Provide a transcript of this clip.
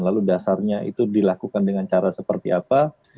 lalu dasarnya itu dilakukan dengan cara seperti apa